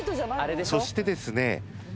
そしてですね。